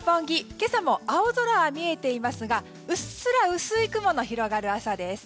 今朝も青空が見えていますがうっすら薄い雲が広がる朝です。